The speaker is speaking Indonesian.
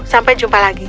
sampai jumpa lagi